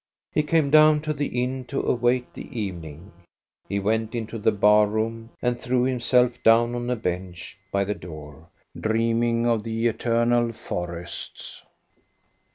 He came down to the inn to await the evening. He went into the bar rooiii and threw himself down on a bench by the door, dreaming of the eternal forests.